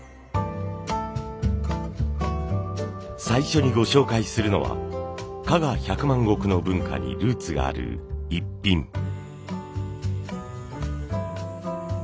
最初にご紹介するのは加賀百万石の文化にルーツがあるイッピン。